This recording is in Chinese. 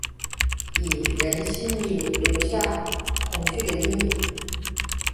让人心里留下恐惧的阴影